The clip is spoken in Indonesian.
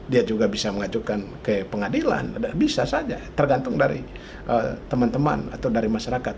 dia juga bisa mengajukan ke pengadilan bisa saja tergantung dari teman teman atau dari masyarakat